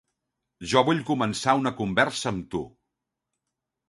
Jo vull començar una conversa amb tu.